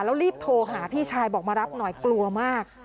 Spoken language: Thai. แล้วรีบโทรหาพี่ชายบอกมารับหน่อยกลัวมาก